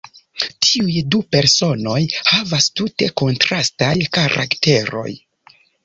Tiuj du personoj havas tute kontrastaj karakteroj.